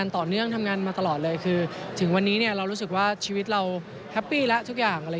ถึงวันนี้เรารู้สึกว่าชีวิตเราแฮปปี้และทุกอย่าง